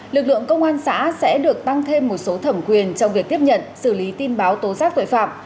lực lượng công an xã sẽ được tăng thêm một số thẩm quyền trong việc tiếp nhận xử lý tin báo tố giác tội phạm